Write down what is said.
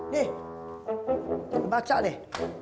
nih baca deh